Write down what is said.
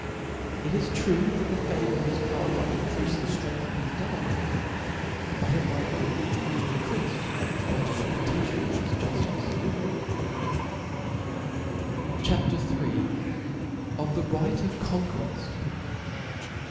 It is true the fame of his power might incriaft the ftren^th of his governrpent ; but it might be equally increaied by the reputation of his jufti^. CHAP. IIL OftheRightofConquefi.